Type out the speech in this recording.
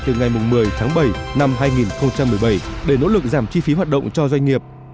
từ ngày một mươi tháng bảy năm hai nghìn một mươi bảy để nỗ lực giảm chi phí hoạt động cho doanh nghiệp